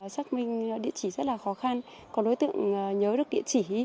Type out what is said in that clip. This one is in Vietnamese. xác minh địa chỉ rất là khó khăn có đối tượng nhớ được địa chỉ